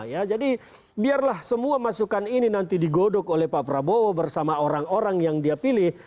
ya jadi biarlah semua masukan ini nanti digodok oleh pak prabowo bersama orang orang yang dia pilih